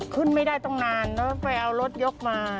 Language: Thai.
ขึ้นไม่ได้ตั้งนานแล้วไปเอารถยกมา